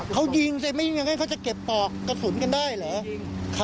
เขายิงคั้นเหมือนกันเขาก็จะเก็บปอกกระสุนกันได้เหรอ